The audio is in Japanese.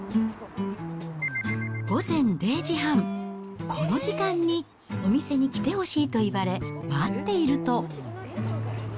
午前０時半、この時間にお店に来てほしいと言われ、待っていると。